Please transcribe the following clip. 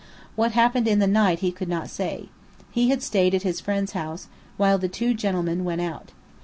What happened in the night he could not say. He had stayed at his friend's house, while the two gentlemen went out.